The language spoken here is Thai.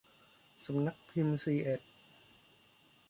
สำนักพิมพ์ซีเอ็ด